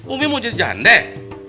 umi mau jadi jandek